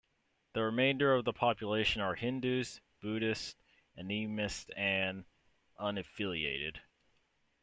The remainder of the population are Hindus, Buddhists, animists, and unaffiliated.